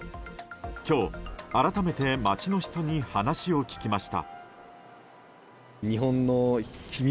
今日、改めて街の人に話を聞きました。